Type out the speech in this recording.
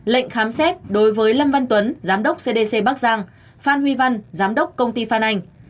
lệnh khám xét đối với lâm văn tuấn giám đốc cdc bắc giang phan huy văn giám đốc công ty phan anh